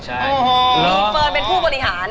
ใช่โอ้โหอ๋อมีเฟิร์นเป็นผู้บริหาร